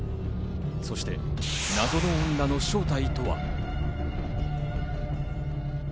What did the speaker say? そして謎の女の正体とは。